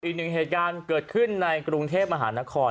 อีกหนึ่งเหตุการณ์เกิดขึ้นในกรุงเทพมหานคร